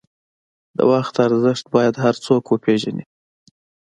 د وخت ارزښت باید هر څوک وپېژني.